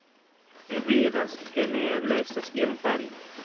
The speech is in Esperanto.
Mi vidas, ke neeble estas ion fari!